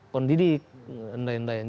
pondidik dan lain lain